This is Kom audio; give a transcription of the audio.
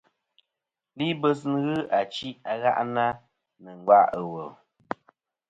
Libɨs ghɨ achi a gha'na nɨ̀ nga' ɨ wùl.